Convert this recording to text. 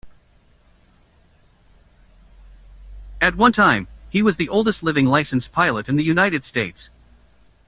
At one time, he was the oldest living licensed pilot in the United States.